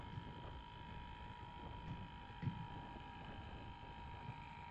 Keksalarga hurmatsizlik o‘ta xunuk ish deb qaraladi.